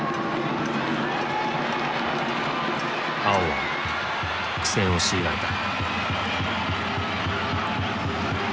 碧は苦戦を強いられた。